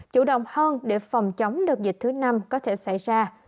chủ động hơn để phòng chống đợt dịch thứ năm có thể xảy ra